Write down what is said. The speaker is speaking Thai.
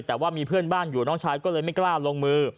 แต่ว่ามีเพื่อนบ้านอยู่น้องชายก็เลยไม่กล้าลงมือ